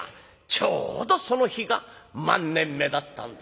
「ちょうどその日が万年目だったんだ」。